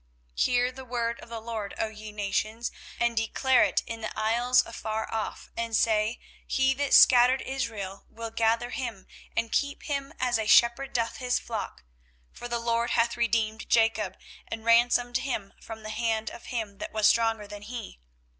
24:031:010 Hear the word of the LORD, O ye nations, and declare it in the isles afar off, and say, He that scattered Israel will gather him, and keep him, as a shepherd doth his flock. 24:031:011 For the LORD hath redeemed Jacob, and ransomed him from the hand of him that was stronger than he.